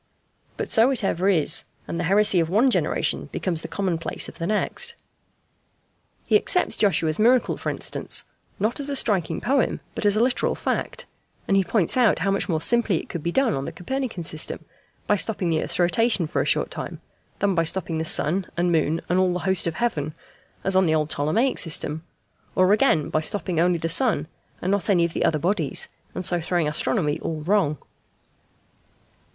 But so it ever is, and the heresy of one generation becomes the commonplace of the next. He accepts Joshua's miracle, for instance, not as a striking poem, but as a literal fact; and he points out how much more simply it could be done on the Copernican system by stopping the earth's rotation for a short time, than by stopping the sun and moon and all the host of heaven as on the old Ptolemaic system, or again by stopping only the sun and not any of the other bodies, and so throwing astronomy all wrong.